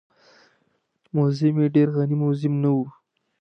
موزیم یې ډېر غني موزیم نه و.